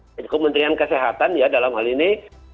dan juga kementerian kesehatan dalam hal ini